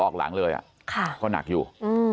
ออกหลังเลยก็หนักอยู่